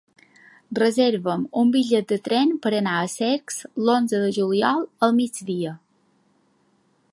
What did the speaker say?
Reserva'm un bitllet de tren per anar a Cercs l'onze de juliol al migdia.